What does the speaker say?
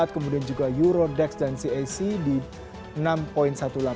kemudian juga eurodex dan cac di enam satu ratus delapan puluh empat